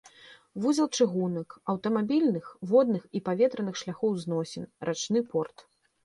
Вузел чыгунак, аўтамабільных, водных і паветраных шляхоў зносін, рачны порт.